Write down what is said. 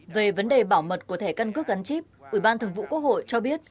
về vấn đề bảo mật của thẻ căn cước gắn chip ủy ban thường vụ quốc hội cho biết